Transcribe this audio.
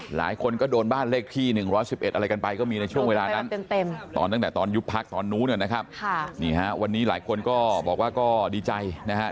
หลายคนก็โดนบ้านเลขที่๑๑๑อะไรกันไปก็มีในช่วงเวลานั้นตอนตั้งแต่ตอนยุบพักตอนนู้นนะครับนี่ฮะวันนี้หลายคนก็บอกว่าก็ดีใจนะครับ